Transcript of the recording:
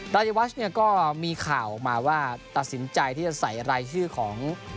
รายวัชเนี่ยก็มีข่าวออกมาว่าตัดสินใจที่จะใส่รายชื่อของ